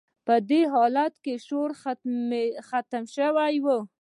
په دې حالت کې شعور ختم شوی و